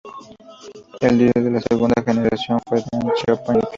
El líder de la segunda generación fue Deng Xiaoping.